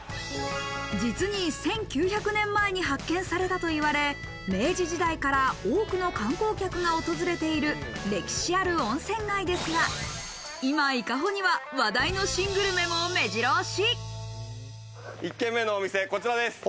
実に１９００年前に発見されたといわれ、明治時代から多くの観光客が訪れている歴史ある温泉街ですが、今、伊香保には話題の新グルメも目白押し。